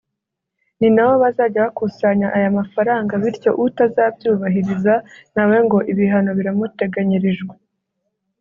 ni nabo bazajya bakusanya ayamafaranga bityo utazabyubahiriza nawe ngo ibihano biramuteganyirijwe